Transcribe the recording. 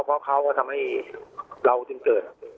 เพราะเขาก็ทำให้เราจึงเกิด